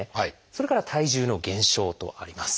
それから「体重の減少」とあります。